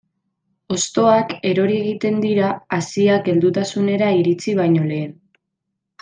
Hostoak erori egiten dira haziak heldutasunera iritsi baino lehen.